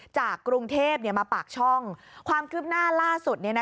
จากกรุงเทพมาปากช่องความคืบหน้าล่าสุด